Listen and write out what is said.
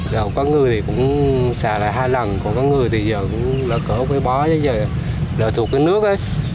rồi có người thì cũng xả lại hai lần còn có người thì giờ cũng lỡ cỡ với bói lỡ thuộc cái nước ấy